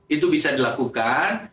itu bisa dilakukan